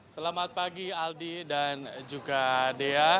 selamat pagi aldi dan juga dea